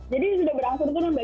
jadi sudah berangsur turun mbak